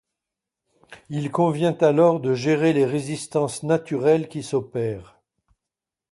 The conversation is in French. Il convient alors de gérer les résistances naturelles qui s'opèrent.